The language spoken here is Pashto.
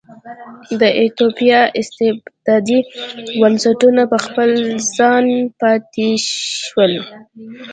د ایتوپیا استبدادي بنسټونه په خپل ځای پاتې شول.